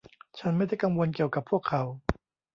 ฉันไม่ได้กังวลเกี่ยวกับพวกเขา